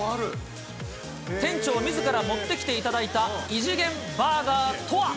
店長みずから持ってきていただいた、異次元バーガーとは。